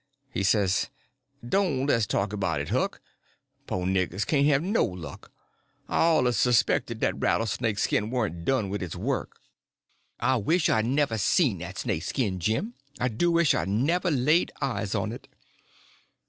He says: "Doan' le's talk about it, Huck. Po' niggers can't have no luck. I awluz 'spected dat rattlesnake skin warn't done wid its work." "I wish I'd never seen that snake skin, Jim—I do wish I'd never laid eyes on it."